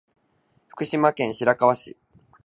福島県白河市